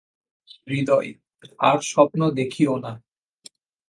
হৃদয়, আর স্বপ্ন দেখিও না।